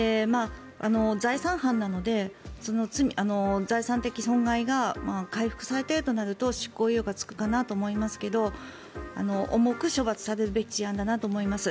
財産犯なので財産的損害が回復されているとなると執行猶予がつくかなと思いますが重く処罰されるべき事案だなと思います。